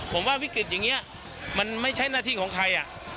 ผมว่าวิกฤตอย่างนี้มันไม่ใช่หน้าที่ของใคร